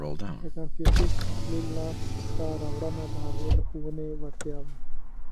• د کنفوسیوس اصلي لاسته راوړنه د هغه د ښوونې وړتیا وه.